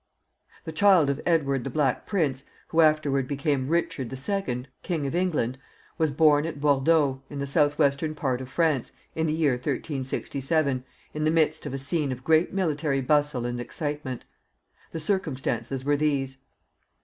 The child of Edward the Black Prince, who afterward became Richard the Second, king of England, was born at Bordeaux, in the southwestern part of France, in the year 1367, in the midst of a scene of great military bustle and excitement. The circumstances were these.